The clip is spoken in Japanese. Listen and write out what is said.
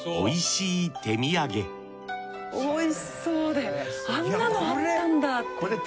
おいしそうであんなのあったんだって。